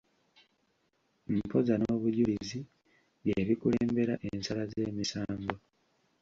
Empoza n'obujulizi bye bikulembera ensala z'emisango.